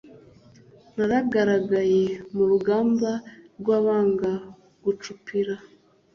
Nagaragaye mu rugamba rw'abanga gucupira